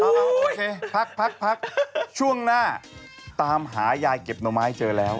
โอเคพักช่วงหน้าตามหายายเก็บหน่อไม้เจอแล้ว